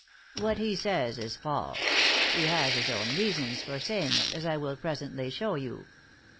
" What he says is false. He has his own reasons for saying it, as I will presently show you.